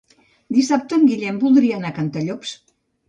Dissabte en Guillem voldria anar a Cantallops.